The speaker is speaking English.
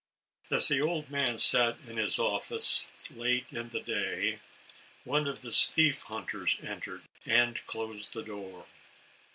As the old man sat in his office, late in the day, one of his thief hunters entered, and closed the door.